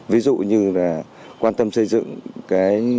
ví dụ như là quan tâm xây dựng